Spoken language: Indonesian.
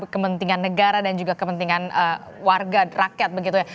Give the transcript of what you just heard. kepentingan negara dan juga kepentingan warga rakyat begitu ya